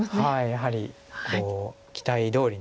やはり期待どおりの。